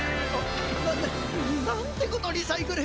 なななんてことリサイクル。